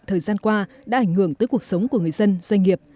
thời gian qua đã ảnh hưởng tới cuộc sống của người dân doanh nghiệp